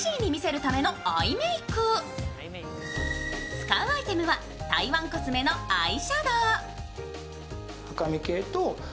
使うアイテムは台湾コスメのアイシャドウ。